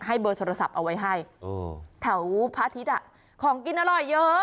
เบอร์โทรศัพท์เอาไว้ให้แถวพระอาทิตย์ของกินอร่อยเยอะ